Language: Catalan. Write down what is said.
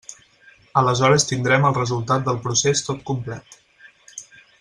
Aleshores tindrem el resultat del procés tot complet.